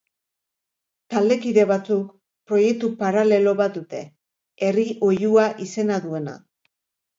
Taldekide batzuk proiektu paralelo bat dute, Herri Oihua izena duena.